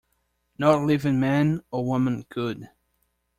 No living man or woman could.